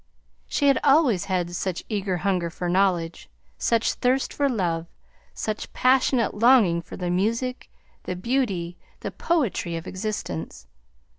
She had always had such eager hunger for knowledge, such thirst for love, such passionate longing for the music, the beauty, the poetry of existence!